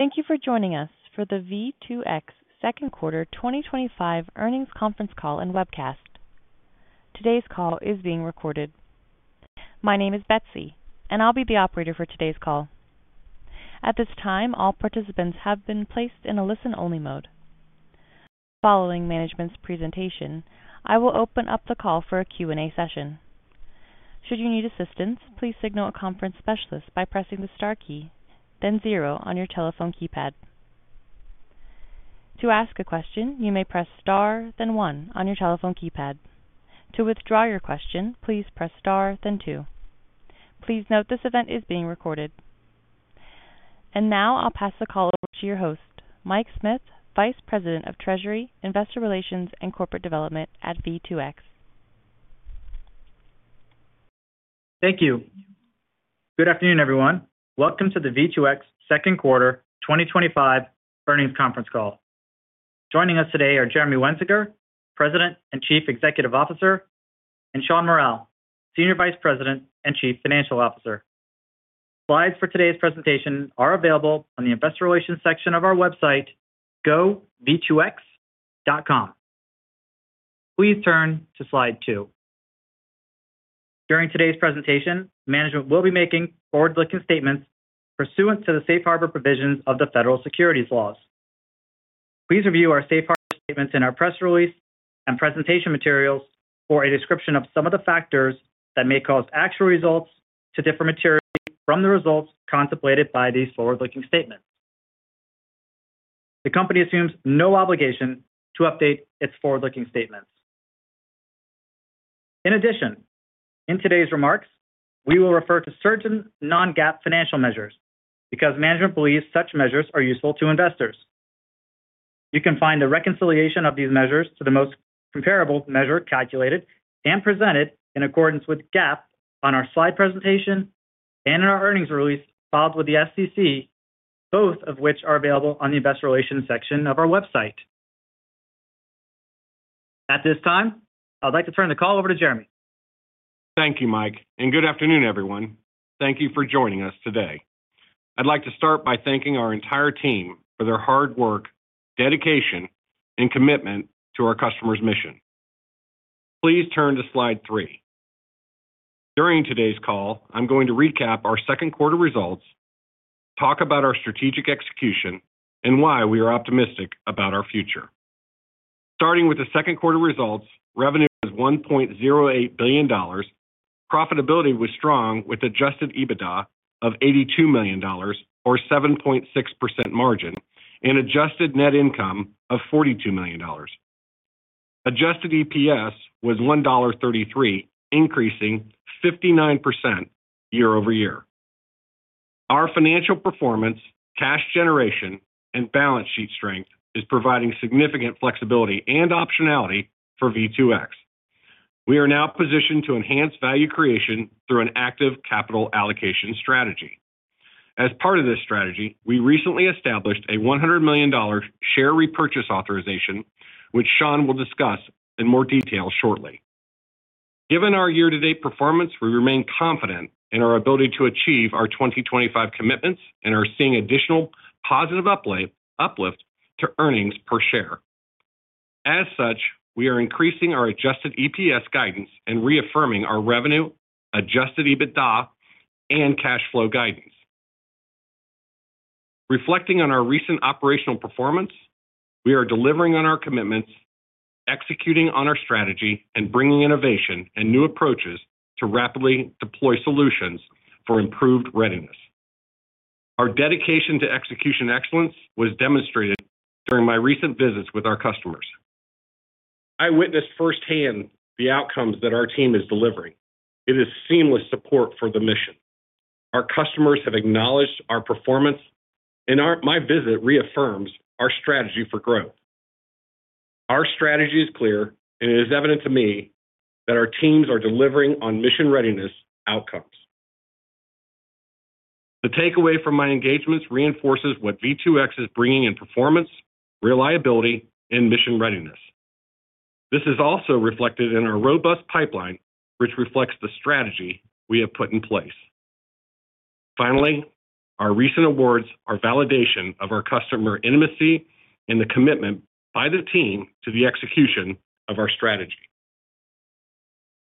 Thank you for joining us for the V2X second quarter 2025 earnings conference call and webcast. Today's call is being recorded. My name is Betsy and I'll be the operator for today's call. At this time, all participants have been placed in a listen-only mode. Following management's presentation, I will open up the call for a Q&A session. Should you need assistance, please signal a conference specialist by pressing the star key, then zero on your telephone keypad. To ask a question, you may press star then one on your telephone keypad. To withdraw your question, please press star then two. Please note this event is being recorded. I will now pass the call over to your host, Mike Smith, Vice President of Treasury, Investor Relations and Corporate Development at V2X. Thank you. Good afternoon everyone. Welcome to the V2X Inc. second quarter 2025 earnings conference call. Joining us today are Jeremy Wensinger, President and Chief Executive Officer, and Shawn Mural, Senior Vice President and Chief Financial Officer. Slides for today's presentation are available on the Investor Relations section of our website v2x.com. Please turn to slide two. During today's presentation, management will be making forward-looking statements pursuant to the safe harbor provisions of the federal securities laws. Please review our safe harbor statements in our press release and presentation materials for a description of some of the factors that may cause actual results to differ materially from the results contemplated by these forward-looking statements. The company assumes no obligation to update its forward-looking statements. In addition, in today's remarks, we will refer to certain non-GAAP financial measures because management believes such measures are useful to investors. You can find a reconciliation of these measures to the most comparable measure calculated and presented in accordance with GAAP on our slide presentation and in our earnings release filed with the SEC, both of which are available on the Investor Relations section of our website. At this time, I'd like to turn the call over to Jeremy. Thank you, Mike, and good afternoon, everyone. Thank you for joining us today. I'd like to start by thanking our entire team for their hard work, dedication, and commitment to our customers' mission. Please turn to Slide three. During today's call, I'm going to recap our second quarter results, talk about our strategic execution, and why we are optimistic about our future. Starting with the second quarter results, revenue was $1.08 billion. Profitability was strong with Adjusted EBITDA of $82 million or 7.6% margin, and adjusted net income of $42 million. Adjusted EPS was $1.33, increasing 59% year-over-year. Our financial performance, cash generation, and balance sheet strength is providing significant flexibility and optionality for V2X. We are now positioned to enhance value creation through an active capital allocation strategy. As part of this strategy, we recently established a $100 million share repurchase authorization, which I'll discuss in more detail shortly. Given our year-to-date performance, we remain confident in our ability to achieve our 2025 commitments and are seeing additional positive uplift to earnings per share. As such, we are increasing our Adjusted EPS guidance and reaffirming our revenue, adjusted. EBITDA and cash flow guidance. Reflecting on our recent operational performance, we are delivering on our commitments, executing on our strategy, and bringing innovation and new approaches to rapidly deploy solutions for improved readiness. Our dedication to execution excellence was demonstrated during my recent visits with our customers. I witnessed firsthand the outcomes that our team is delivering. It is seamless support for the mission. Our customers have acknowledged our performance, and my visit reaffirms our strategy for growth. Our strategy is clear, and it is evident to me that our teams are delivering on mission readiness outcomes. The takeaway from my engagements reinforces what V2X is bringing in performance reliability and mission readiness. This is also reflected in our robust pipeline, which reflects the strategy we have put in place. Finally, our recent awards are validation of our customer intimacy and the commitment by the team to the execution of our strategy.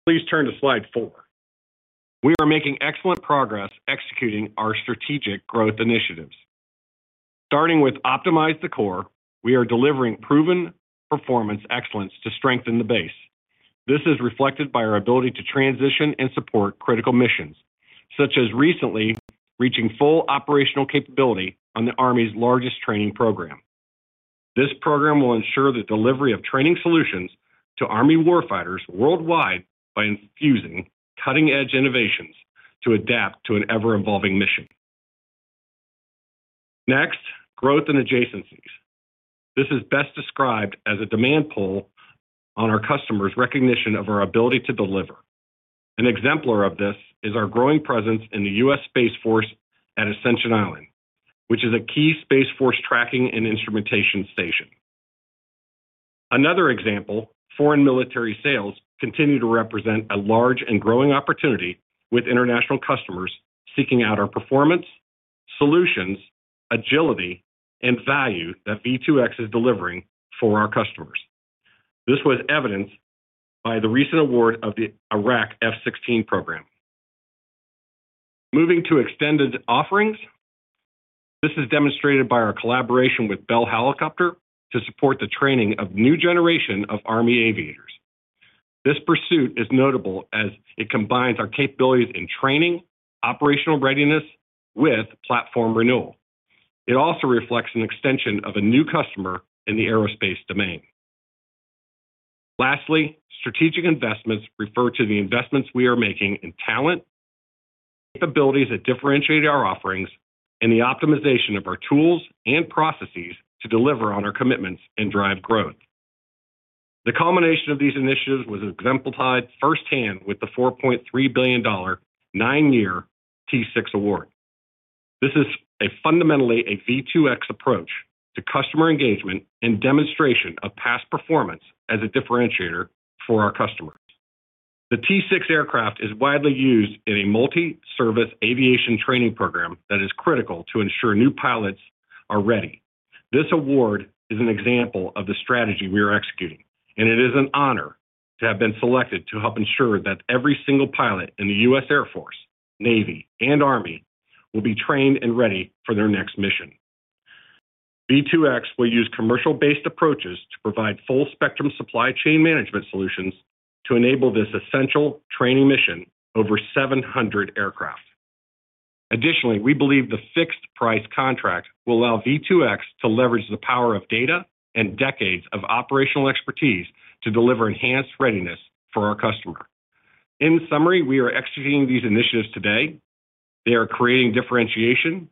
Please turn to slide four. We are making excellent progress executing our strategic growth initiatives, starting with Optimize the Core. We are delivering proven performance excellence to strengthen the base. This is reflected by our ability to transition and support critical missions, such as recently reaching full operational capability on the U.S. Army's largest training program. This program will ensure the delivery of training solutions to Army warfighters worldwide by infusing cutting-edge innovations to adapt to an ever-evolving mission. Next, growth and adjacencies. This is best described as a demand pull on our customers' recognition of our ability to deliver. An exemplar of this is our growing presence in the U.S. Space Force at Ascension Island, which is a key Space Force tracking and instrumentation station. Another example, foreign military sales continue to represent a large and growing opportunity, with international customers seeking out our performance solutions, agility, and value that V2X is delivering for our customers. This was evidenced by the recent award of the Iraq F-16 program. Moving to extended offerings, this is demonstrated by our collaboration with Bell Helicopter to support the training of a new generation of Army aviators. This pursuit is notable as it combines our capabilities in training, operational readiness, with platform renewal. It also reflects an extension of a new customer in the aerospace domain. Lastly, strategic investments refer to the investments we are making in talent capabilities that differentiate our offerings and the optimization of our tools and processes to deliver on our commitments and drive growth. The culmination of these initiatives was exemplified firsthand with the $4.3 billion nine-year T-6 award. This is fundamentally a V2X approach to customer engagement and demonstration of past performance as a differentiator for our customers. The T-6 aircraft is widely used in a multi-service aviation training program that is critical to ensure new pilots are ready. This award is an example of the strategy we are executing and it is an honor to have been selected to help ensure that every single pilot in the U.S. Air Force, Navy, and Army will be trained and ready for their next mission. V2X will use commercial-based approaches to provide full spectrum supply chain management solutions to enable this essential training mission over 700 aircraft. Additionally, we believe the fixed-price contract will allow V2X to leverage the power of data and decades of operational expertise to deliver enhanced readiness for our customer. In summary, we are executing these initiatives today. They are creating differentiation,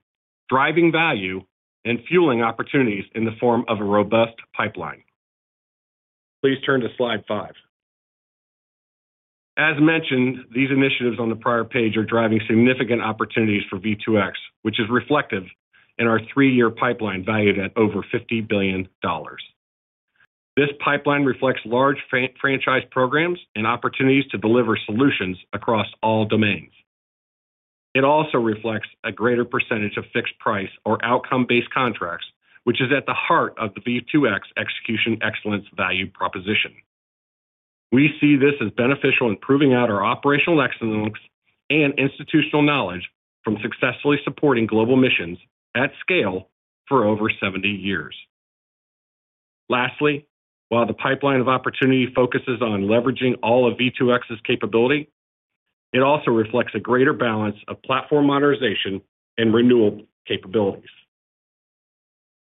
driving value, and fueling opportunities in the form of a robust pipeline. Please turn to slide 5. As mentioned, these initiatives on the prior page are driving significant opportunities for V2X, which is reflected in our three-year pipeline valued at over $50 billion. This pipeline reflects large franchise programs and opportunities to deliver solutions across all domains. It also reflects a greater percentage of fixed-price or outcome-based contracts, which is at the heart of the V2X execution excellence value proposition. We see this as beneficial in proving out our operational excellence and institutional knowledge from successfully supporting global missions at scale for over 70 years. Lastly, while the pipeline of opportunity focuses on leveraging all of V2X's capability, it also reflects a greater balance of platform modernization and renewal capabilities.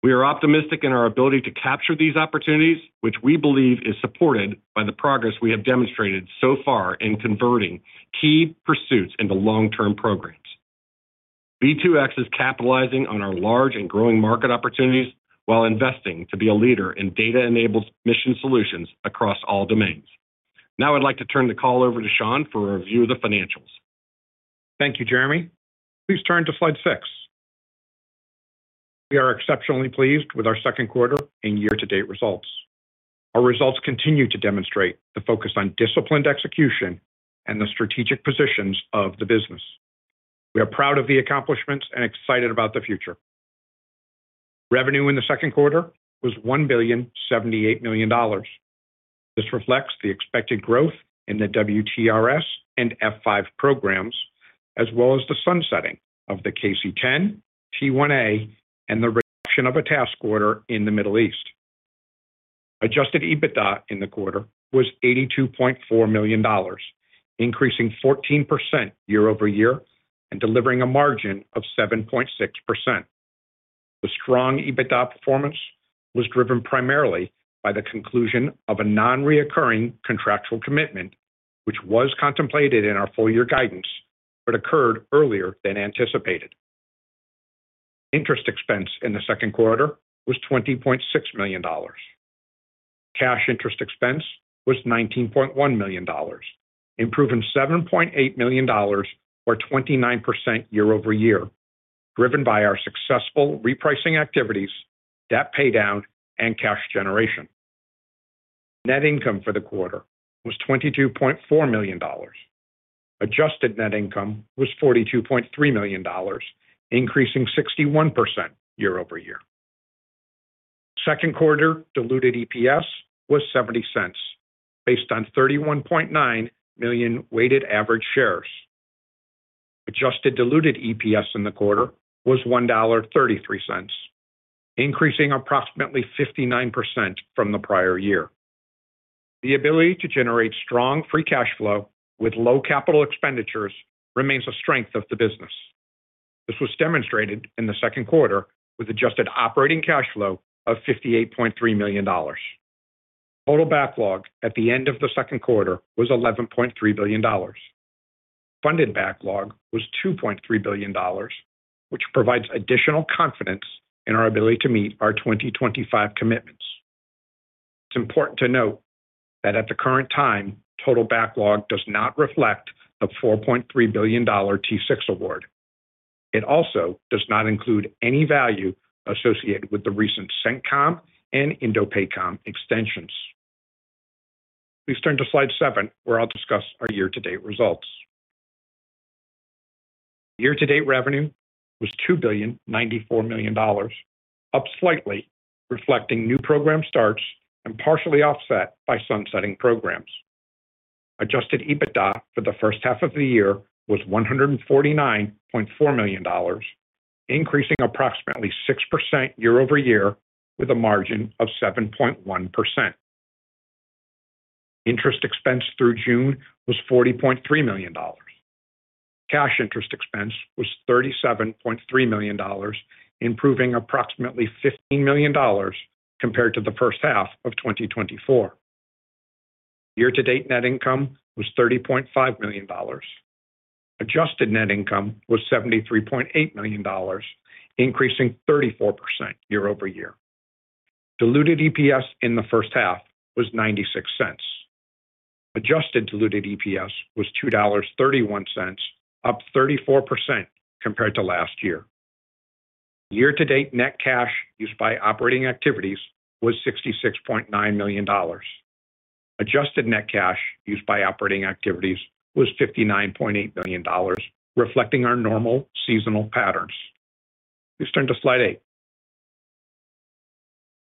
We are optimistic in our ability to capture these opportunities, which we believe is supported by the progress we have demonstrated so far in converting key pursuits into long-term programs. V2X is capitalizing on our large and growing market opportunities while investing to be a leader in data-enabled mission solutions across all domains. Now I'd like to turn the call over to Shawn for a review of the financials. Thank you Jeremy. Please turn to Slide six. We are exceptionally pleased with our second quarter and year to date results. Our results continue to demonstrate the focus on disciplined execution and the strategic positions of the business. We are proud of the accomplishments and excited about the future. Revenue in the second quarter was $1,078,000,000. This reflects the expected growth in the WTRS and F5 programs as well as the sunsetting of the KC-10, T-1A, and the reduction of a task order in the Middle East. Adjusted EBITDA in the quarter was $82.4 million, increasing 14% year-over-year and delivering a margin of 7.6%. The strong EBITDA performance was driven primarily by the conclusion of a nonrecurring contractual commitment which was contemplated in our full year guidance but occurred earlier than anticipated. Interest expense in the second quarter was $20.6 million. Cash interest expense was $19.1 million, improving $7.8 million or 29% year-over-year driven by our successful repricing activities, debt paydown, and cash generation. Net income for the quarter was $22.4 million. Adjusted net income was $42.3 million, increasing 61% year-over-year. Second quarter diluted EPS was $0.70 based on 31.9 million weighted average shares. Adjusted diluted EPS in the quarter was $1.33, increasing approximately 59% from the prior year. The ability to generate strong free cash flow with low capital expenditures remains a strength of the business. This was demonstrated in the second quarter with adjusted operating cash flow of $58.3 million. Total backlog at the end of the second quarter was $11.3 billion. Funded backlog was $2.3 billion, which provides additional confidence in our ability to meet our 2025 commitments. It's important to note that at the current time, total backlog does not reflect the $4.3 billion T-6 award. It also does not include any value associated with the recent CENTCOM and INDOPACOM extensions. Please turn to Slide seven where I'll discuss our year to date results. Year to date revenue was $2,094,000,000, up slightly reflecting new program starts and partially offset by sunsetting programs. Adjusted EBITDA for the first half of the year was $149.4 million, increasing approximately 6% year-over-year with a margin of 7.1%. Interest expense through June was $40.3 million. Cash interest expense was $37.3 million, improving approximately $15 million compared to the first half of 2024. Year to date net income was $30.5 million. Adjusted net income was $73.8 million, increasing 34% year-over-year. Diluted EPS in the first half was $0.96. Adjusted diluted EPS was $2.31, up 34% compared to last year. Year to date net cash used by operating activities was $66.9 million. Adjusted net cash used by operating activities was $59.8 million, reflecting our normal seasonal patterns. Please turn to slide eight.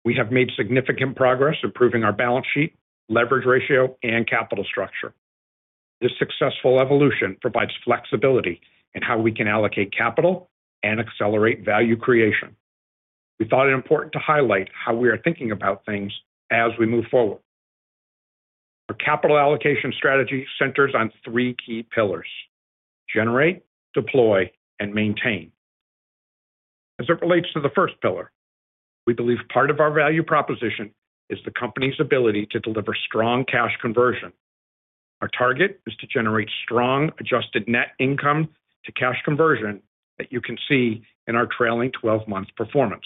We have made significant progress improving our balance sheet, leverage ratio, and capital structure. This successful evolution provides flexibility in how we can allocate capital and accelerate value creation. We thought it important to highlight how we are thinking about things as we move forward. Our capital allocation strategy centers on three key pillars: Generate, Deploy, and Maintain. As it relates to the first pillar, we believe part of our value proposition is the company's ability to deliver strong cash conversion. Our target is to generate strong adjusted net income to cash conversion that you can see in our trailing twelve month performance.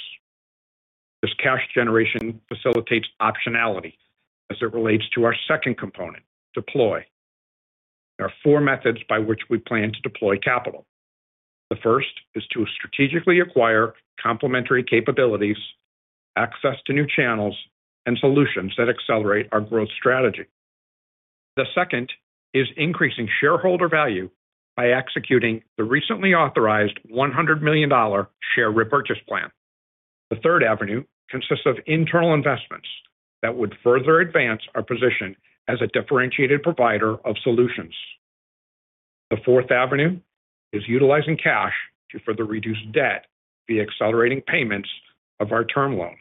This cash generation facilitates optionality as it relates to our second component, Deploy. There are four methods by which we plan to deploy capital. The first is to strategically acquire complementary capabilities, access to new channels, and solutions that accelerate our growth strategy. The second is increasing shareholder value by executing the recently authorized $100 million share repurchase plan. The third avenue consists of internal investments that would further advance our position as a differentiated provider of solutions. The fourth avenue is utilizing cash to further reduce debt, accelerating payments of our term loans.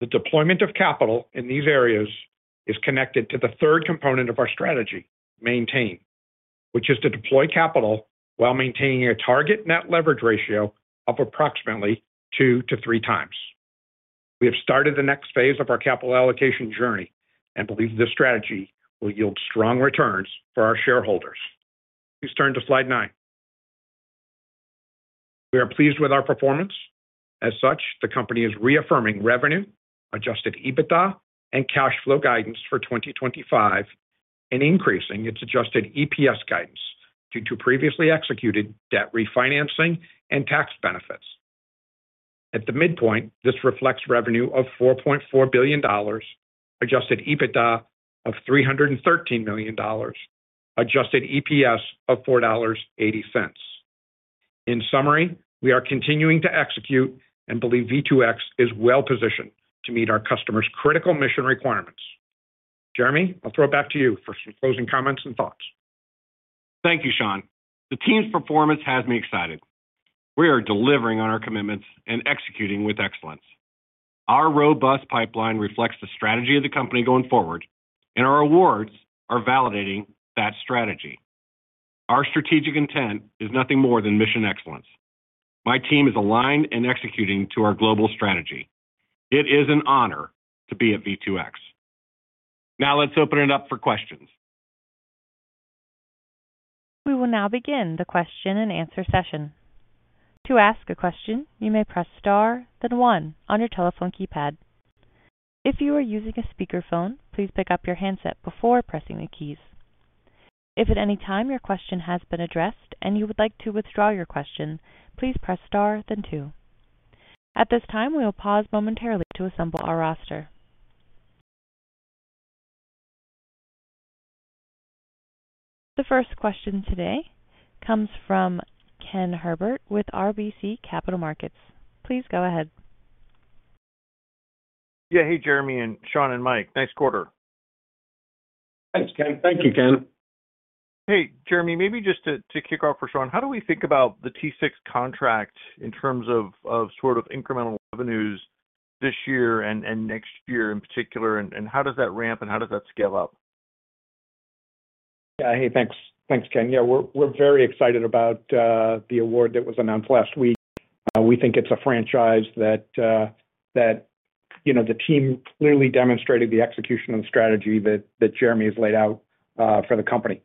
The deployment of capital in these areas is connected to the third component of our strategy, Maintain, which is to deploy capital while maintaining a target net leverage ratio of approximately two to three times. We have started the next phase of our capital allocation journey and believe this strategy will yield strong returns for our shareholders. Please turn to slide nine. We are pleased with our performance. As such, the company is reaffirming revenue, Adjusted EBITDA, and cash flow guidance for 2025 and increasing its Adjusted EPS guidance due to previously executed debt refinancing and tax benefits. At the midpoint, this reflects revenue of $4.4 billion, Adjusted EBITDA of $313 million, Adjusted EPS of $4.8. In summary, we are continuing to execute and believe V2X is well positioned to meet our customers' critical mission requirements. Jeremy, I'll throw it back to you for some closing comments and thoughts. Thank you, Shawn. The team's performance has me excited. We are delivering on our commitments and executing with excellence. Our robust pipeline reflects the strategy of the company going forward, and our awards are validating that strategy. Our strategic intent is nothing more than mission excellence. My team is aligned and executing to our global strategy. It is an honor to be at V2X. Now let's open it up for questions. We will now begin the question and answer session. To ask a question, you may press star then one on your telephone keypad. If you are using a speakerphone, please pick up your handset before pressing the keys. If at any time your question has been addressed and you would like to withdraw your question, please press star then two. At this time, we will pause momentarily to assemble our roster. The first question today comes from Ken Herbert with RBC Capital Markets. Please go ahead. Yeah. Hey, Jeremy and Shawn and Mike. Nice quarter. Thanks, Ken. Thank you, Ken. Hey, Jeremy, maybe just to kick off. For Shawn, how do we think about the T-6 contract in terms of sort of incremental revenues this year and next year in particular? How does that ramp and how? Does that scale up? Yeah. Hey, thanks. Thanks, Ken. Yeah, we're very excited about the award that was announced last week. We think it's a franchise that, you know, the team clearly demonstrated the execution and strategy that Jeremy has laid out for the company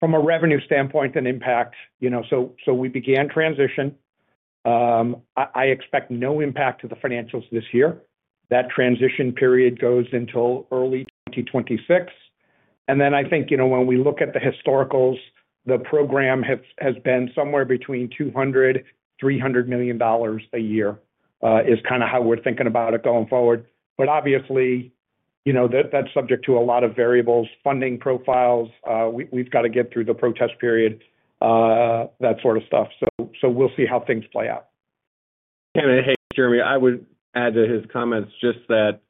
from a revenue standpoint and impact, you know, so we began transitioning. I expect no impact to the financials this year. That transition period goes until early 2026. I think, you know, when we look at the historicals, the program has been somewhere between $200 million, $300 million a year is kind of how we're thinking about it going forward. Obviously, you know, that's subject to a lot of variables, funding profiles, we've got to get through the protest period, that sort of stuff. We'll see how things play out. Hey, Jeremy. I would add to his comments just that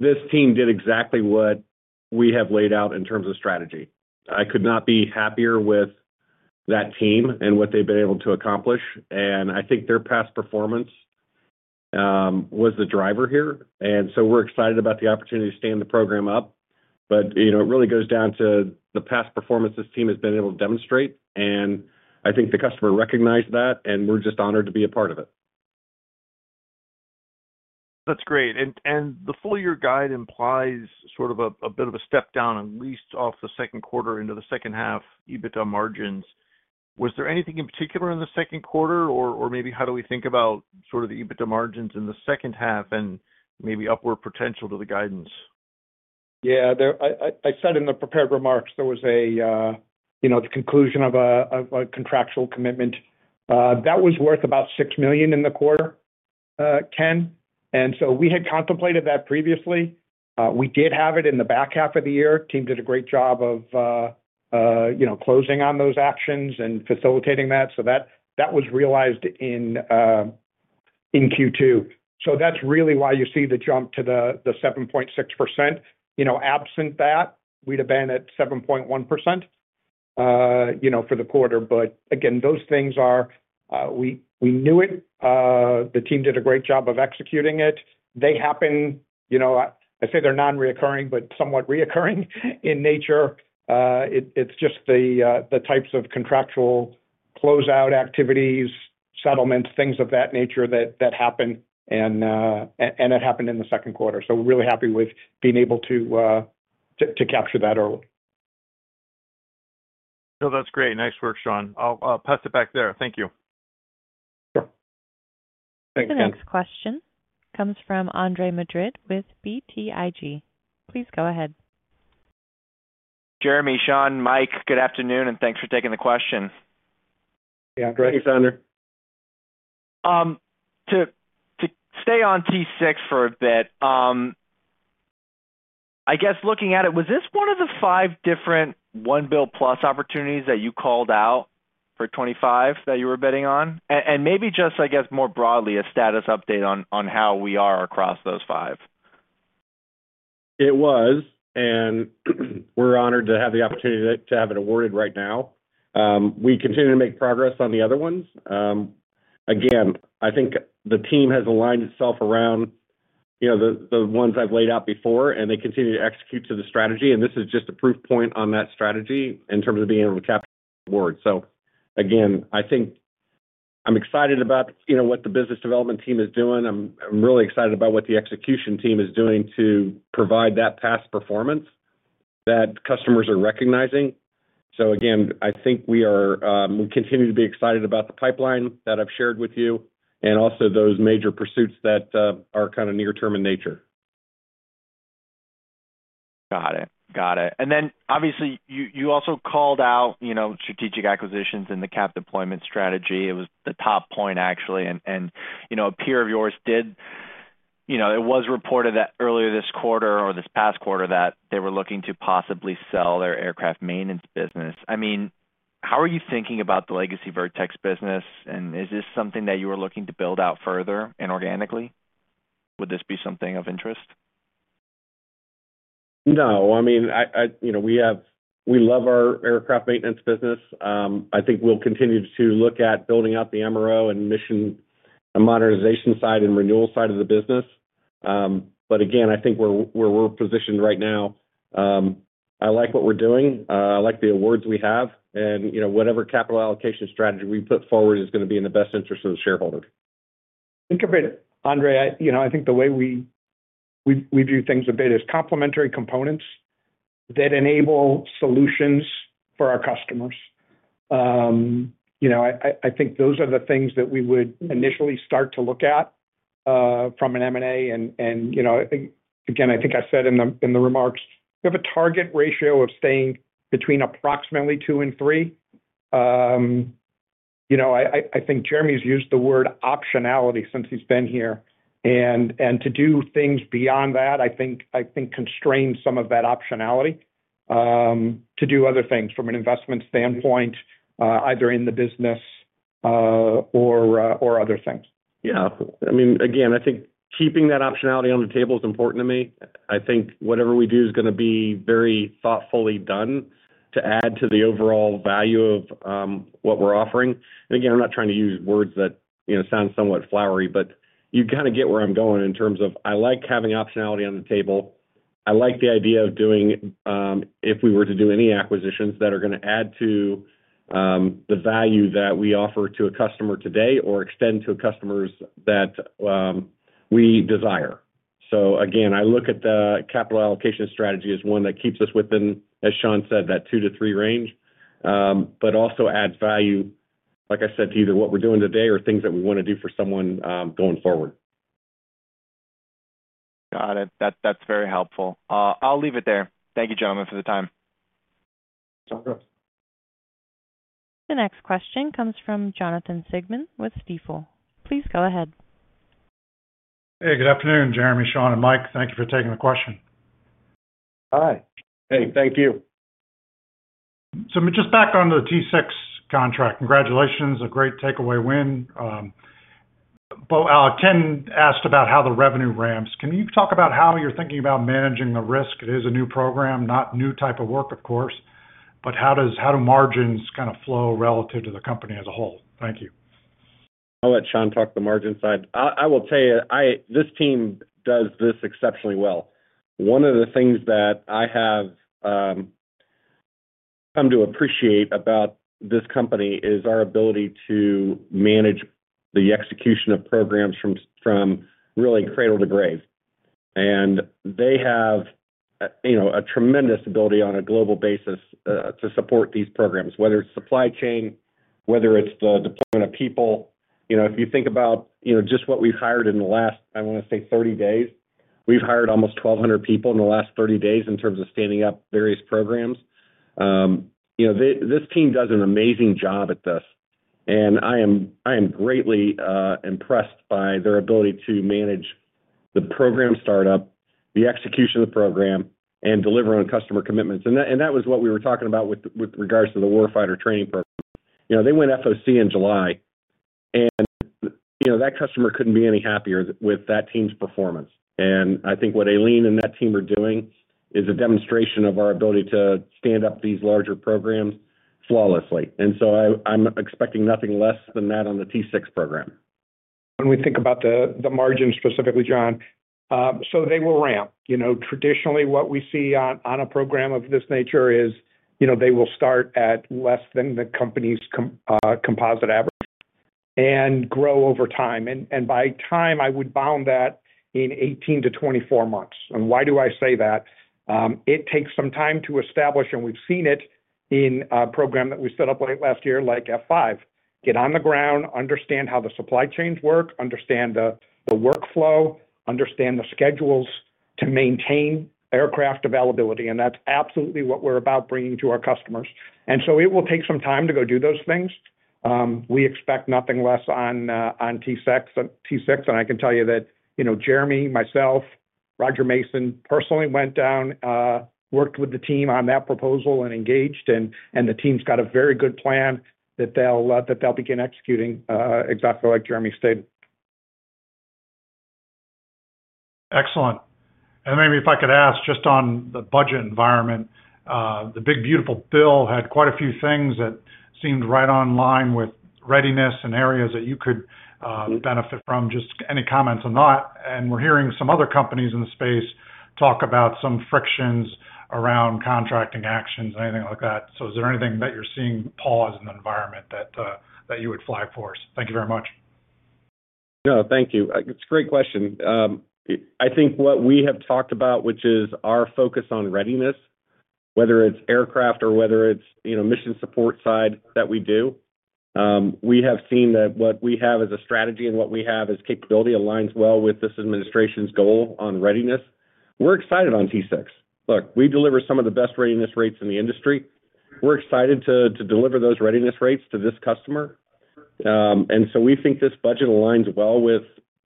this team did exactly what we have laid out in terms of strategy. I could not be happier with that team and what they've been able to accomplish. I think their past performance was the driver here. We are excited about the opportunity to stand the program up. It really goes down to the past performance this team has been able to demonstrate. I think the customer recognized that, and we're just honored to be a part of it. That's great. The full year guide implies sort. Of a bit of a step down. At least off the second quarter into the second half. EBITDA margins. Was there anything in particular in the second quarter, or maybe how do we? Think about sort of the EBITDA margins in the second half and maybe upward potential to the guidance? Yeah, I said in the prepared remarks, there was the conclusion of a contractual commitment that was worth about $6 million in the quarter, Ken. We had contemplated that previously. We did have it in the back half of the year. Team did a great job of closing on those actions and facilitating that. That was realized in Q2. That's really why you see the jump to the 7.6%. Absent that, we'd have been at 7.1% for the quarter. Again, those things are, we knew it. The team did a great job of executing it. They happen. I say they're nonrecurring but somewhat recurring in nature. It's just the types of contractual closeout activities, settlements, things of that nature that happen, and it happened in the second quarter. We're really happy with being able to capture that early. No, that's great. Nice work, Shawn. I'll pass it back there. Thank you. The next question comes from Andre Madrid with BTIG. Please go ahead. Jeremy, Shawn, Mike, good afternoon and thanks for taking the question. Yeah, great. Thanks Andre. To stay on T-6 for a bit. I guess looking at it, was this one of the five different? One bill plus opportunities that you called out for 2025 that you were bidding on, and maybe just, I guess, more broadly a status update on how we. Are across those five? We're honored to have the opportunity to have it awarded. Right now we continue to make progress on the other ones. I think the team has aligned itself around the ones I've laid out before and they continue to execute to the strategy, and this is just a proof point on that strategy in terms of being able to capture board. I think I'm excited about what the business development team is doing. I'm really excited about what the execution team is doing to provide that past performance that customers are recognizing. I think we continue to be excited about the pipeline that I've shared with you and also those major pursuits that are kind of near term in nature. Got it, got it. Obviously you also called out. Strategic acquisitions and the capital deployment strategy. It was the top point, actually. A peer of yours. Did you know it was reported earlier this quarter or this past quarter? That they were looking to possibly sell. Their aircraft maintenance business? How are you thinking about the legacy Vertex business, and is this something that you are looking to build out further and organically? No, I mean, we love our aircraft maintenance business. I think we'll continue to look at building out the MRO and mission, a modernization side and renewal side of the business. Again, I think where we're positioned right now, I like what we're doing, I like the awards we have, and whatever capital allocation strategy we put forward is going to be in the best interest of the shareholder. Think of it, Andre. I think the way we view things a bit is complementary components that enable solutions for our customers. I think those are the things that we would initially start to look at from an M&A. I think I said in the remarks, you have a target ratio of staying between approximately two and three. I think Jeremy's used the word optionality since he's been here. To do things beyond that, I think constrain some of that optionality to do other things from an investment standpoint, either in the business or other things. Yeah, I mean, again, I think keeping that optionality on the table is important to me. I think whatever we do is going to be very thoughtfully done to add to the overall value of what we're offering. I'm not trying to use words that sound somewhat flowery, but you kind of get where I'm going in terms of I like having optionality on the table. I like the idea of doing, if we were to do any acquisitions that are going to add to the value that we offer to a customer today or extend to customers that we desire. I look at the capital allocation strategy as one that keeps us within, as Shawn said, that two to three range, but also adds value, like I said, to either what we're doing today or things that we want to do for someone going forward. Got it. That's very helpful. I'll leave it there. Thank you, gentlemen, for the time. The next question comes from Jonathan Siegmann with Stifel. Please go ahead. Hey, good afternoon, Jeremy, Shawn and Mike. Thank you for taking the question. Hi. Hey. Thank you. Just back on the T-6 contract. Congratulations. A great takeaway win. Ken asked about how the revenue ramps. Can you talk about how you're thinking about managing the risk? It is a new program, not new type of work, of course, but how do margins kind of flow relative to the company as a whole? Thank you. I'll let Shawn talk. The margin side. I will tell you, this team does this exceptionally well. One of the things that I have come to appreciate about this company is our ability to manage the execution of programs from really cradle to grave. They have a tremendous ability on a global basis to support these programs, whether it's supply chain, whether it's the people. If you think about just what we've hired in the last 30 days, we've hired almost 1,200 people in the last 30 days in terms of standing up various programs. This team does an amazing job at this. I am greatly impressed by their ability to manage the program, startup the execution of the program, and deliver on customer commitments. That was what we were talking about with regards to the warfighter training program. They went FOC in July, and that customer couldn't be any happier with that team's performance. I think what Aileen and that team are doing is a demonstration of our ability to stand up these larger programs flawlessly. I'm expecting nothing less than that on the T-6 program. When we think about the margin specifically, Jon, they will ramp. Traditionally, what we see on a program of this nature is they will start at less than the company's composite average and grow over time. By time, I would bound that in 18 to 24 months. Why do I say that? It takes some time to establish, and we've seen it in a program that we set up late last year like F-16. Get on the ground, understand how the supply chains work, understand the workflow, understand the schedules to maintain aircraft availability, and that's absolutely what we're about bringing to our customers. It will take some time to go do those things. We expect nothing less on T-6. I can tell you that Jeremy, myself, Roger Mason, personally went down, worked with the team on that proposal and engaged, and the team's got a very good plan that they'll begin executing exactly like Jeremy stated. Excellent. Maybe if I could ask, just on the budget environment, the big beautiful bill had quite a few things that seemed right online with readiness and areas that you could benefit from. Just any comments on that? We're hearing some other companies in the space talk about some frictions around contracting actions, anything like that. Is there anything that you're seeing pause in the environment that you would flag for? Thank you very much. Thank you. It's a great question. I think what we have talked about, which is our focus on readiness, whether it's aircraft or whether it's mission support side that we do. We have seen that what we have as a strategy and what we have as capability aligns well with this administration's goal on readiness. We're excited on T-6. Look, we deliver some of the best readiness rates in the industry. We're excited to deliver those readiness rates to this customer. We think this budget aligns well with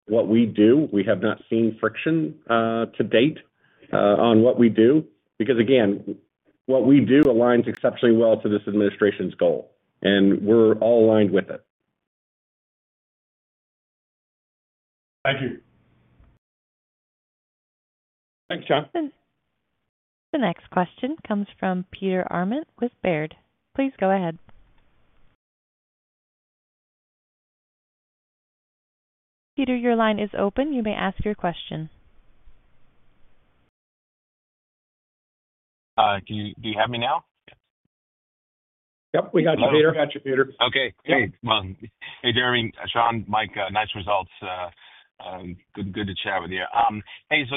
what we do. We have not seen friction to date on what we do because again, what we do aligns exceptionally well to this administration's goal, and we're all aligned with it. Thank you. Thanks, Jon. The next question comes from Peter Arment with Baird. Please go ahead. Peter. Your line is open. You may ask your question. Do you have me now? Yep, we got you, Peter. Okay. Hey, Jeremy, Shawn, Mike, nice results. Good to chat with you.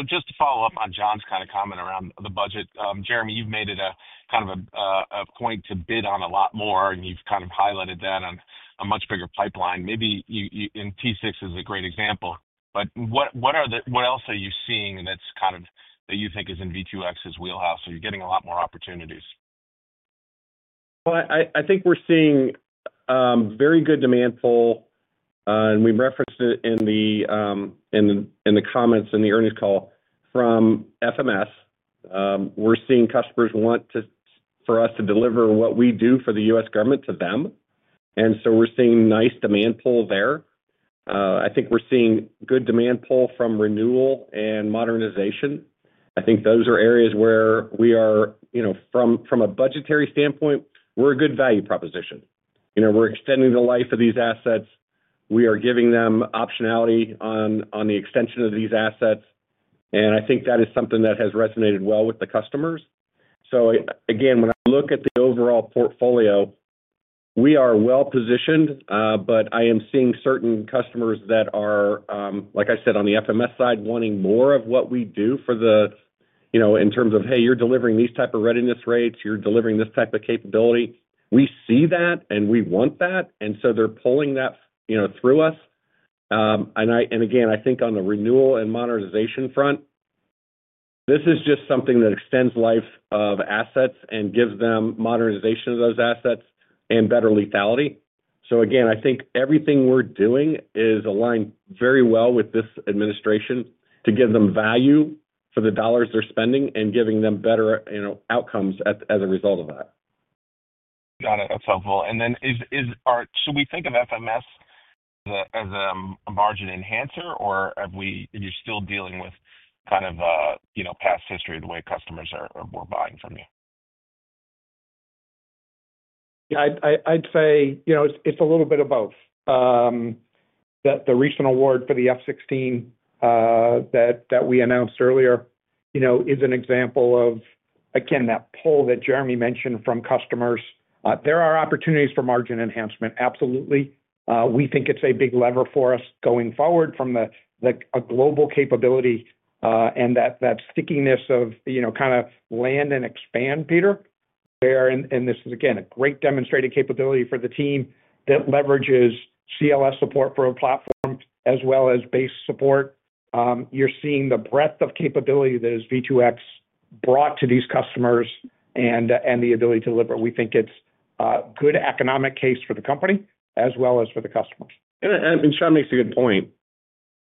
Just to follow up on Jon's kind of comment around the budget, Jeremy, you've made it a kind of a point to bid on a lot. More, and you've kind of highlighted that. On a much bigger pipeline. Maybe you and T-6 is great. For example, what else are you seeing that's kind of that you think is in V2X's wheelhouse? You're getting a lot more opportunities? I think we're seeing very good demand pull, and we referenced it in the comments in the earnings call from FMS. We're seeing customers want for us to deliver what we do for the U.S. Government to them, and we're seeing nice demand pull there. I think we're seeing good demand pull from renewal and modernization. I think those are areas where we are, from a budgetary standpoint, a good value proposition. We're extending the life of these assets. We are giving them optionality on the extension of these assets, and I think that is something that has resonated well with the customers. Again, when I look at the overall portfolio, we are well positioned, but I am seeing certain customers that are, like I said, on the FMS side, wanting more of what we do in terms of, hey, you're delivering these type of readiness rates, you're delivering this type of capability. We see that and we want that, and they're pulling that through us. I think on the renewal and modernization front, this is just something that extends life of assets and gives them modernization of those assets and better lethality. I think everything we're doing is aligned very well with this administration to give them value for the dollars they're spending and giving them better outcomes as a result of that. Got it. That's helpful. Should we think of foreign military sales as a margin enhancer or you're still dealing with kind of, you know, past history, the way customers are buying from you? Yeah, I'd say, you know, it's a little bit of both. The recent award for the F-16 that we announced earlier, you know, is an example of again that pull that Jeremy mentioned from customers. There are opportunities for margin enhancement. Absolutely. We think it's a big lever for us going forward from the, like, a global capability and that stickiness of, you know, kind of land and expand Peter there. This is again a great demonstrated capability for the team that leverages CLS support for a platform as well as base support. You're seeing the breadth of capability that is V2X brought to these customers and the ability to deliver. We think it's a good economic case for the company as well as for the customers. Shawn makes a good point.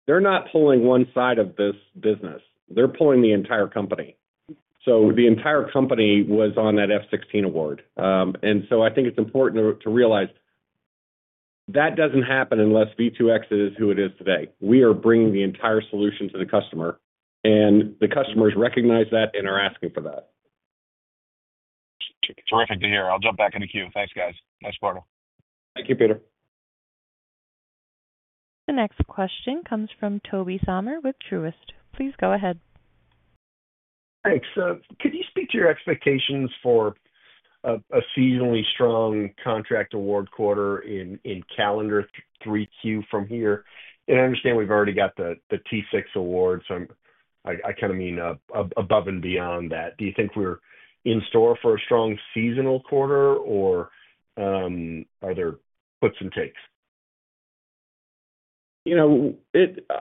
They're not pulling one side of this business, they're pulling the entire company. The entire company was on that F-16 award. I think it's important to realize that doesn't happen unless V2X is who it is. Today we are bringing the entire solution to the customer, and the customers recognize that and are asking for that. Terrific to hear. I'll jump back in the queue. Thanks, guys. Nice portal. Thank you, Peter. The next question comes from Tobey Sommer with Truist. Please go ahead. Thanks. Can you speak to your expectations for. A seasonally strong contract award quarter in calendar Q3 from here? I understand we've already got the T-6 awards on. I kind of mean above and beyond that. Do you think we're in store for a strong seasonal quarter or are there puts and takes? You know,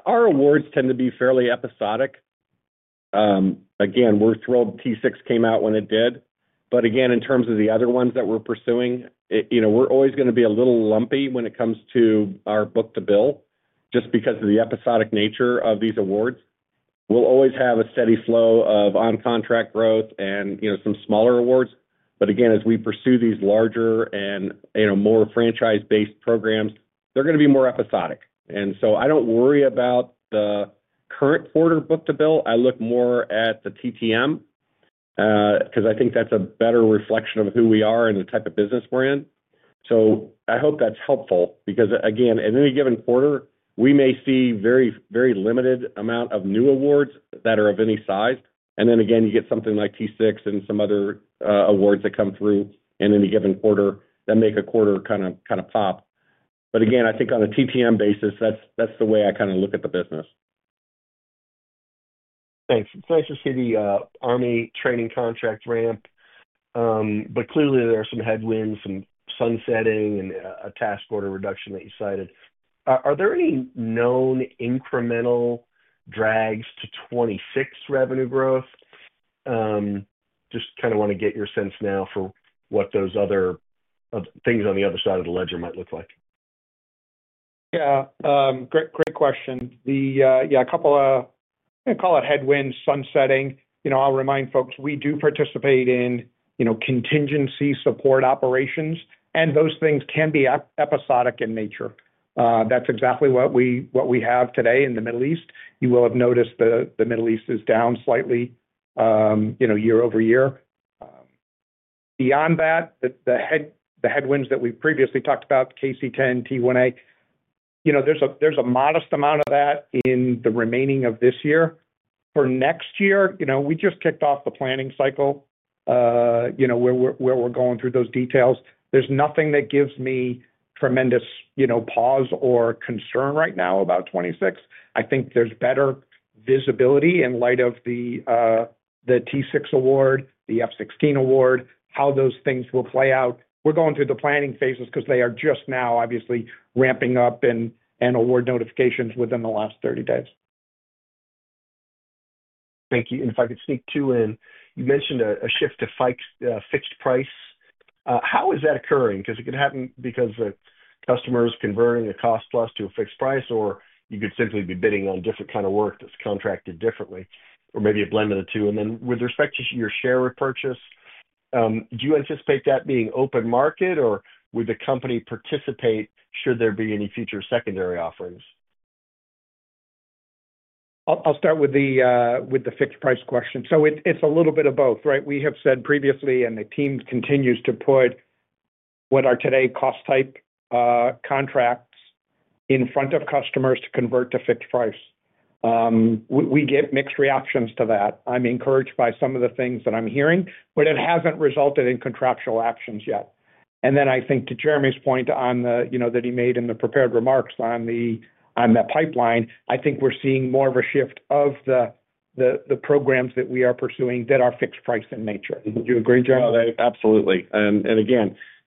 our awards tend to be fairly episodic. We're thrilled T-6 came out when it did. In terms of the other ones that we're pursuing, you know, we're always going to be a little lumpy when it comes to our Book-to-Bill, just because of the episodic nature of these awards. We'll always have a steady flow of on-contract growth and, you know, some smaller awards. As we pursue these larger and, you know, more franchise-based programs, they're going to be more episodic. I don't worry about the current quarter Book-to-Bill. I look more at the TTM because I think that's a better reflection of who we are and the type of business we're in. I hope that's helpful because, again, in any given quarter we may see a very, very limited amount of new awards that are of any size. Then you get something like T-6 and some other awards that come through in any given quarter that make a quarter kind of pop. I think on a TTM basis, that's the way I kind of look at the business. Thanks. It's nice to see the Army training contract ramp, but clearly there are some headwinds, some sunsetting, and a task order reduction that you cited. Are there any known incremental drags to 2026 revenue growth? Just kind of want to get your sense now for what those other things on the other side of the ledger might look like. Yeah, great, great question. A couple of, call it headwinds, sunsetting. You know, I'll remind folks we do participate in, you know, contingency support operations and those things can be episodic in nature. That's exactly what we have today in the Middle East. You will have noticed the Middle East is down slightly, you know, year-over-year. Beyond that, the headwinds that we've previously talked about, KC-10, T-1A, you know, there's a modest amount of that in the remaining of this year for next year. You know, we just kicked off the planning cycle, where we're going through those details. There's nothing that gives me tremendous, you know, pause or concern right now about 2026. I think there's better visibility in light of the T-6 award, the F-16 award, how those things will play out. We're going through the planning phases because they are just now obviously ramping up and award notifications within the last 30 days. Thank you. If I could sneak two in. You mentioned a shift to fixed price. How is that occurring? Because it could happen because the customer is converting a cost plus to a fixed-price or you could simply be bidding on different kind of work that's contracted differently, or maybe a blend of the two. With respect to your share. Repurchase, do you anticipate that being open market, or would the company participate should there be any future secondary offerings? I'll start with the fixed price question. It's a little bit of both. We have said previously and the team continues to put what are today cost type contracts in front of customers to convert to fixed price. We get mixed reactions to that. I'm encouraged by some of the things that I'm hearing, but it hasn't resulted in contractual actions yet. I think to Jeremy's point that he made in the prepared remarks on that pipeline, I think we're seeing more of a shift of the programs that we are pursuing that are fixed price in nature. Would you agree, Jeremy? Absolutely.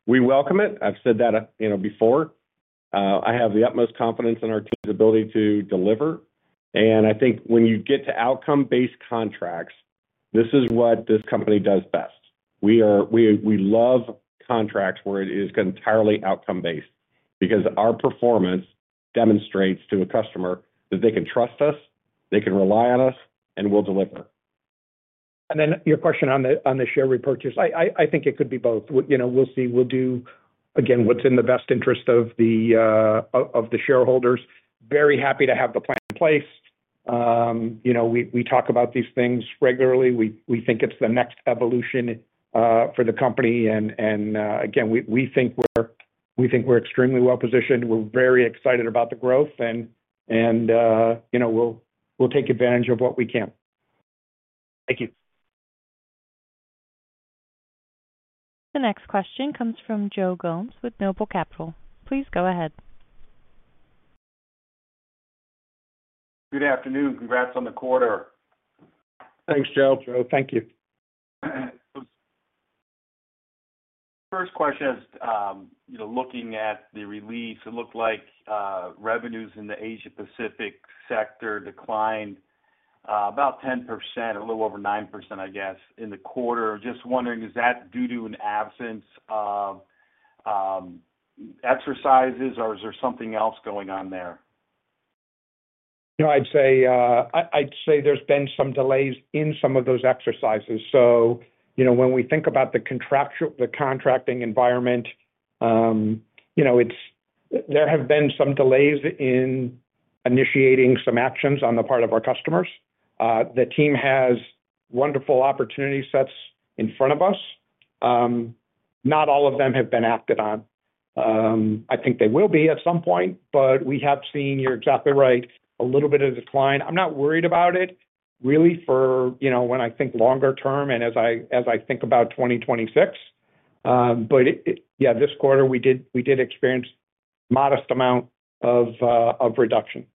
We welcome it. I've said that before, I have the utmost confidence in our team's ability to deliver. I think when you get to outcome-based contracts, this is what this company does best. We love contracts where it is entirely outcome-based because our performance demonstrates to a customer that they can trust us, they can rely on us, and we'll deliver. Your question on the share repurchase? I think it could be both. We'll see, we'll do what's in the best interest of the shareholders. Very happy to have the plan in place. We talk about these things regularly. We think it's the next evolution for the company. We think we're extremely well positioned. We're very excited about the growth and we'll take advantage of what we can. Thank you. The next question comes from Joe Noble Capital. Please go ahead. Good afternoon. Congrats on the quarter. Thanks, Joe. Joe, thank you. First question is, you know, looking at. The release, it looked like revenues in the Asia Pacific sector declined about 10%, a little over 9%, I guess in the quarter. Just wondering, is that due to an absence of exercises or is there something else going on there? No, I'd say there's been some delays in some of those exercises. When we think about the contracting environment, there have been some delays in initiating some actions on the part of our customers. The team has wonderful opportunity sets in front of us. Not all of them have been acted on. I think they will be at some point, but we have seen, you're exactly right, a little bit of decline. I'm not worried about it really for, when I think longer term and as I think about 2026. This quarter we did experience a modest amount of reduction.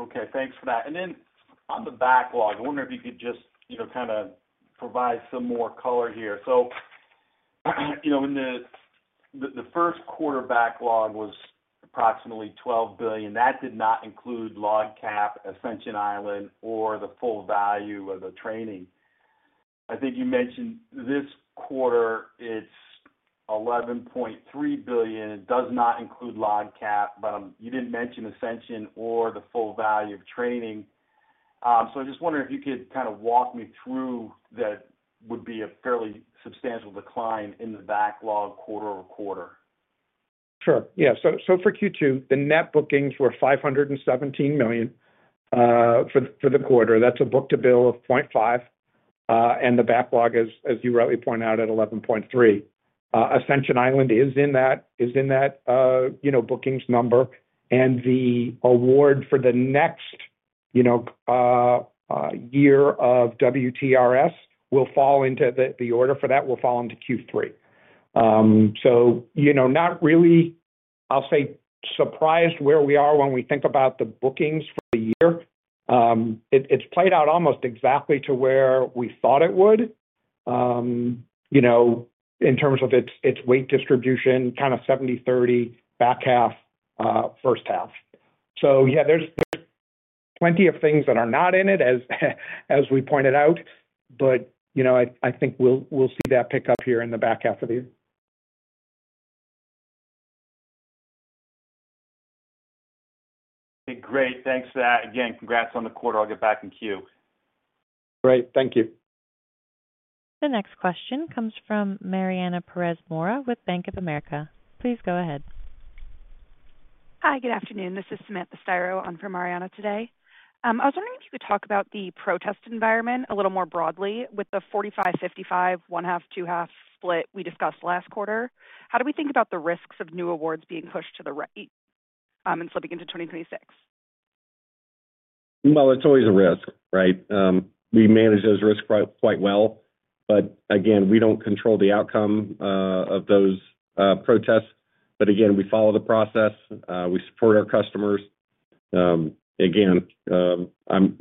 Okay, thanks for that. On the backlog, I wonder if you could just provide some more color here. In the first quarter backlog was approximately $12 billion. That did not include LOGCAP, Ascension Island or the full value of the training. I think you mentioned this quarter, it's $11.3 billion, does not include LOGCAP. You didn't mention Ascension or the full value training. I just wonder if you could. Kind of walk me through. That would be a fairly substantial decline in the backlog, quarter over quarter, Sure, yeah. For Q2, the net bookings were $517 million for the quarter. That's a Book-to-Bill of 0.5. The backlog is, as you rightly point out, at $11.3 billion. Ascension Island is in that bookings number, and the award for the next year of WTRS will fall into the order for that and will fall into Q3. Not really surprised where we are when we think about the bookings for the year. It's played out almost exactly to where we thought it would in terms of its weight distribution, kind of 70/30 back half, first half. There are plenty of things that are not in it, as we pointed out. I think we'll see that pick up here in the back half of the year. Great, thanks. Again, congrats on the quarter. I'll get back in queue. Great, thank you. The next question comes from Mariana Perez Mora with Bank of America. Please go ahead. Hi, good afternoon, this is Samantha Styro on for Mariana Today. I was wondering if you could talk about the protest environment a little more broadly. With the 45%, 55%, 1/2, 2/2 split we discussed last quarter, how do we think about the risks of new awards being pushed to the right and slipping into 2026? It is always a risk, right. We manage those risks quite well. Again, we do not control the outcome of those protests. We follow the process and support our customers. I am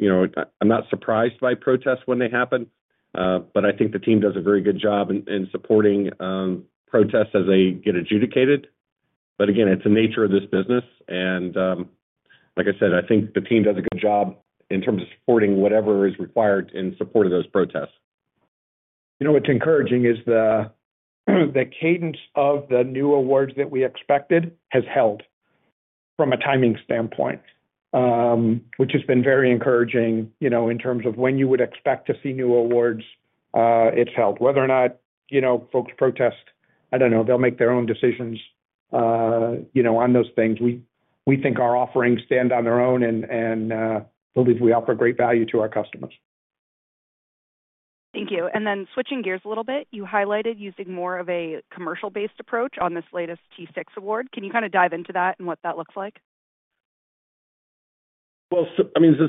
not surprised by protests when they happen, but I think the team does a very good job in supporting protests as they get adjudicated. It is the nature of this business and like I said, I think. The team does a good job. terms of supporting whatever is required in support of those protests. What's encouraging is the cadence of the new awards that we expected has held from a timing standpoint, which has been very encouraging in terms of when you would expect to see new awards, it's held. Whether or not folks protest, I don't know, they'll make their own decisions on those things. We think our offerings stand on their own and believe we offer great value to our customers. Thank you. Switching gears a little bit, you highlighted using more of a commercial-based approach on this latest T-6 award. Can you kind of dive into that and what that looks like? The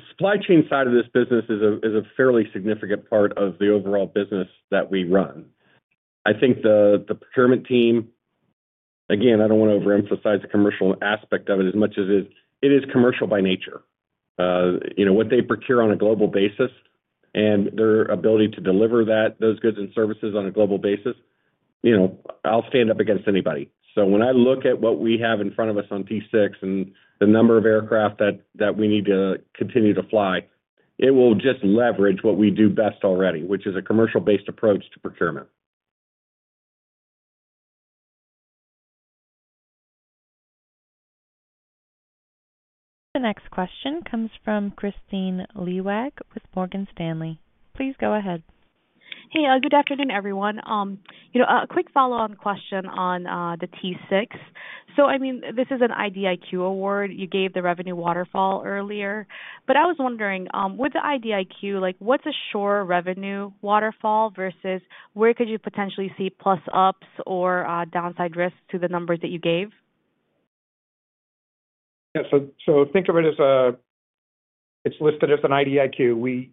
supply chain side of this business is a fairly significant part of the overall business that we run. I think the procurement team, again, I don't want to overemphasize the commercial aspect of it as much as it is commercial by nature. You know, what they procure on a global basis and their ability to deliver those goods and services on a global basis, I'll stand up against anybody. When I look at what we have in front of us on T-6 and the number of aircraft that we need to continue to fly, it will just leverage what we do best already, which is a commercial-based approach to procurement. The next question comes from Kristine Liwag with Morgan Stanley. Please go ahead. Hey, good afternoon everyone. A quick follow on question on the T-6. I mean, this is an IDIQ award. You gave the revenue waterfall earlier. I was wondering with the IDIQ, what's a sure revenue waterfall versus where could you potentially see plus ups or downside risk to the numbers that you gave? Yeah. Think of it as an IDIQ.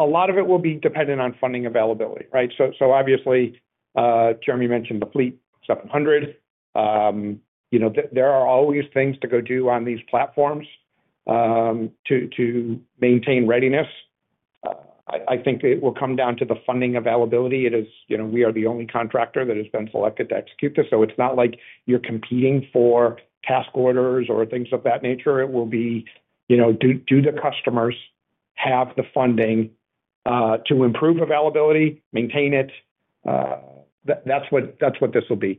A lot of it will be dependent on funding availability. Right. Obviously, Jeremy mentioned the fleet 700. You know, there are always things to go do on these platforms to maintain readiness. I think it will come down to the funding availability. It is, you know, we are the only contractor that has been selected to execute this. It's not like you're competing for task orders or things of that nature. It will be, you know, do the customers have the funding to improve availability, maintain it. That's what this will be.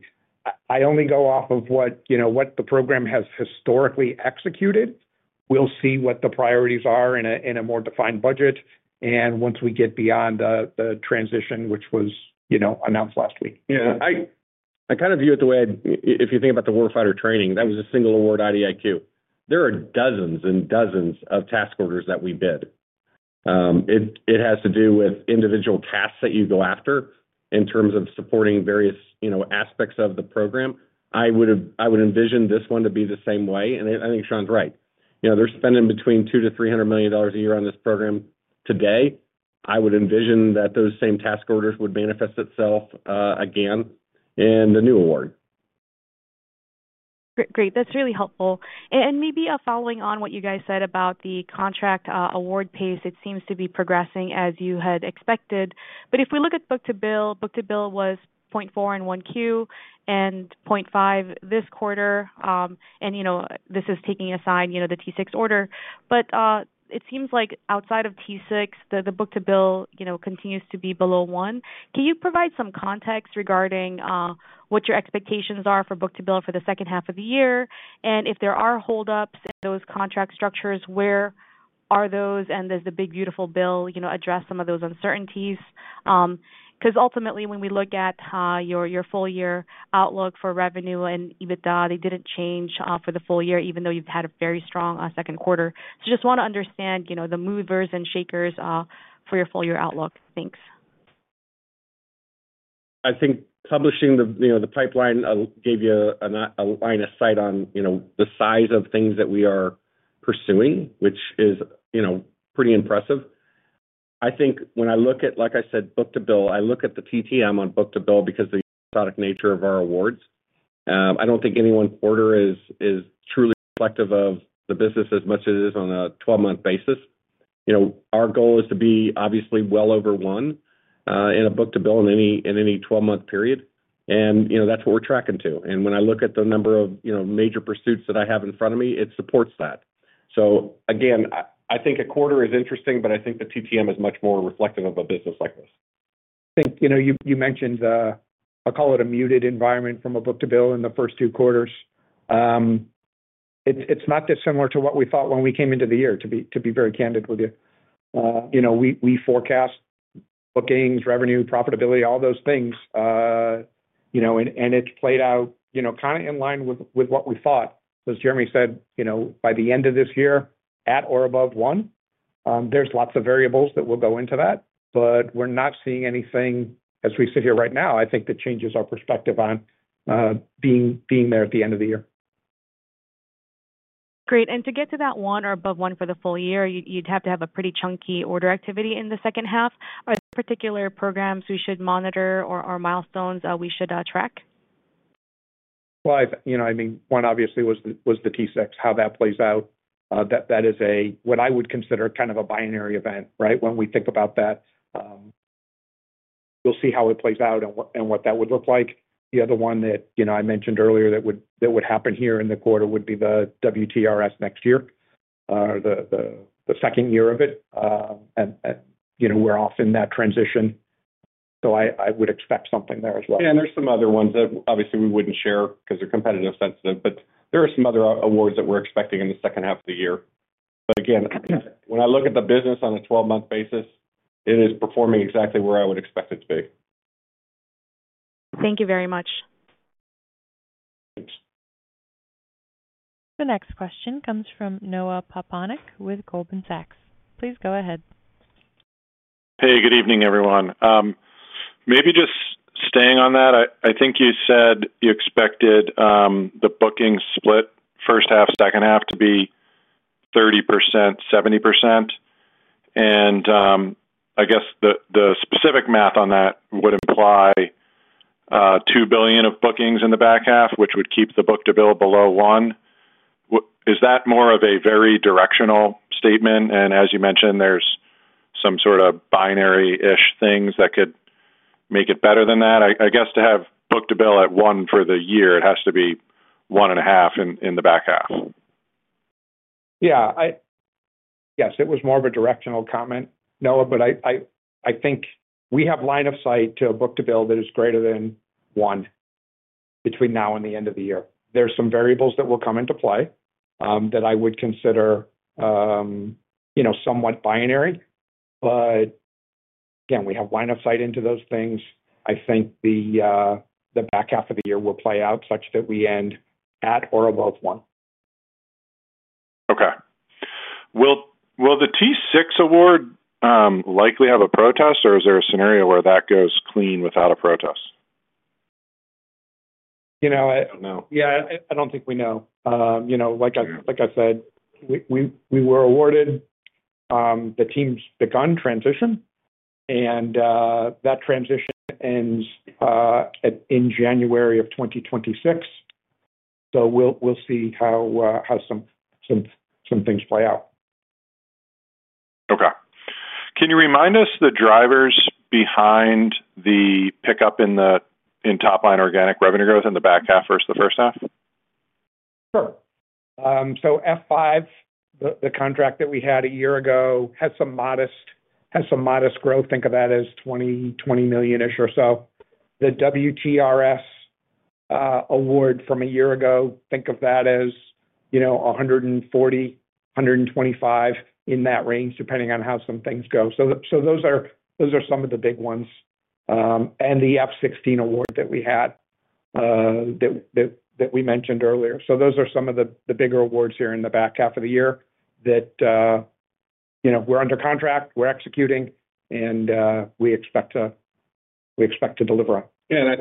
I only go off of what the program has historically executed, we'll see what the priorities are in a more defined budget. Once we get beyond the transition, which was announced last week. Yeah, I kind of view it. If you think about the. Warfighter training, that was a single award IDIQ. There are dozens and dozens of task orders that we bid. It has to do with individual tasks that you go after in terms of supporting various aspects of the program. I would envision this one to be the same way. I think Shawn's right. They're spending between $200 million to $300 million a year on this program today. I would envision that those same task orders would manifest itself again in the new award. Great, that's really helpful and maybe a follow-up on what you guys said about the contract award pace. It seems to be progressing as you had expected. If we look at Book-to-Bill, Book-to-Bill was 0.4 in Q1 and 5 this quarter. This is taking aside the T-6 order, but it seems like outside of T-6, the Book-to-Bill continues to be below 1. Can you provide some context regarding what your expectations are for Book-to-Bill for the second half of the year? If there are holdups in those contract structures, where are those? Does the big, beautiful backlog address some of those uncertainties? Ultimately, when we look at your full year outlook for revenue and Adjusted EBITDA, they didn't change for the full year, even though you've had a very strong second quarter. Just want to understand the movers and shakers for your full year outlook. Thanks. I think publishing the pipeline gave you a line of sight on the size of things that we are pursuing, which is pretty impressive I think. When I look at, like I said, Book-to-Bill, I look at the TTM on Book-to-Bill because the nature of our awards, I don't think any one quarter is truly reflective of the business as much as it is on a 12-month basis. Our goal is to be obviously well over one in a Book-to-Bill in any 12-month period. That's what we're tracking to. When I look at the number of major pursuits that I have in front of me, it supports that. A quarter is interesting, but I think the TTM is much more reflective of a business like this. I think you mentioned, I'll call it a muted environment from a Book-to-Bill in the first two quarters. It's not dissimilar to what we thought when we came into the year. To be very candid with you, we forecast bookings, revenue, profitability, all those things, and it's played out kind of in line with what we thought. As Jeremy said, by the end of this year at or above one, there's lots of variables that will go into that, but we're not seeing anything as we sit here right now. I think that changes our perspective on being there at the end of the year. To get to that one or above one for the full year, you'd have to have a pretty chunky order activity in the second half. Are there particular programs we should monitor or milestones we should track? One obviously was the T-6. How that plays out, that is what I would consider kind of a binary event. Right. When we think about that, we'll see how it plays out and what that would look like. The other one that I mentioned earlier that would happen here in the quarter would be the WTRS next year, the second year of it. We're off in that transition, so I would expect something there as well. Yeah, and there are some other ones that obviously we wouldn't share because they're competitive, sensitive. There are some other awards that we're expecting in the second half of the year. Again, when I look at the business on a 12 month basis, it is performing exactly where I would expect it to be. Thank you very much. The next question comes from Noah with Goldman Sachs Please go ahead. Hey, good evening everyone. Maybe just staying on that. I think you said you expected the bookings split first half, second half to be 30%, 70%. I guess the specific math on that would apply $2 billion of bookings in the back half, which would keep the Book-to-Bill below one. Is that more of a very directional statement? As you mentioned, there's some sort of binary-ish things that could make. It's better than that. I guess to have Book-to-Bill at one for the year, it has to be 1.5 in the back half. Yeah, I guess it was more of a directional comment. No, I think we have line of sight to Book-to-Bill that is greater than one between now and the end of the year. There are some variables that will come into play that I would consider somewhat binary. Again, we have line of sight into those things. I think the back half of the year will play out such that we end at or above one. Okay. Will the T-6 award likely have a. Is there a scenario where that goes clean without a protest? I don't think we know. Like I said, we were awarded, the team's begun transition, and that transition ends in January of 2026. We'll see how some things play out. Okay, can you remind us the drivers behind the pickup in top line organic revenue growth in the back half versus the first half? Sure. The F-16 contract that we had a year ago had some modest growth. Think of that as $20 million or so. The WTRS award from a year ago, think of that as, you know, $140 million, $125 million in that range, depending on how some things go. Those are some of the big ones. The F-16 award that we had that we mentioned earlier. Those are some of the bigger awards here in the back half of the year that, you know, we're under contract, we're executing and we expect to deliver. Yeah.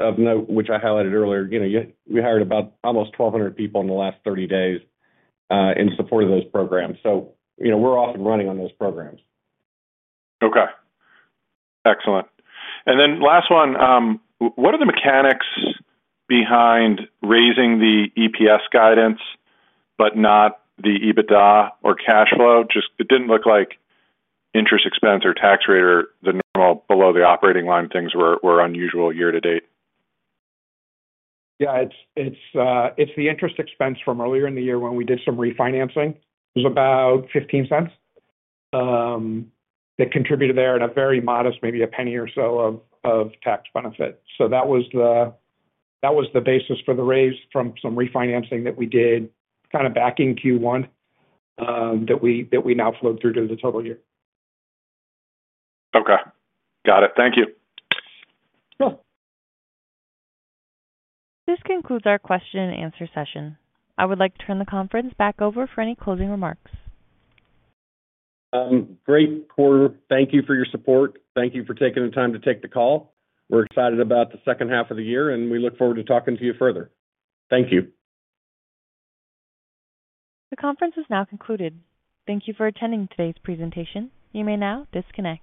Of note, which I highlighted earlier, we hired about almost 1,200 people in the last 30 days in support of those programs. We're off and running on those programs. Okay, excellent. Last one. What are the mechanics behind raising the Adjusted EPS guidance but not the Adjusted EBITDA or cash flow? It didn't look like interest expense or tax rate or the below the operating line things were unusual year to date? Yeah, it's the interest expense from earlier in the year when we did some refinancing was about $0.15 that contributed there, and a very modest, maybe a penny or so of tax benefit. That was the basis for the raise from some refinancing that we did kind of back in Q1 that we now flowed through to the total year. Okay, got it. Thank you. This concludes our question and answer session. I would like to turn the conference back over for any closing remarks. Great quarter. Thank you for your support. Thank you for taking the time to take the call. We're excited about the second half of the year, and we look forward to talking to you further. Thank you. The conference is now concluded. Thank you for attending today's presentation. You may now disconnect.